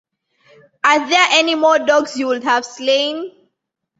Are there any more dogs you would have slain?